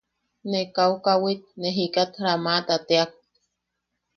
Ne kau kawit ne jikat ramaata teak.